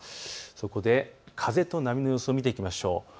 そこで風と波の予想を見ていきましょう。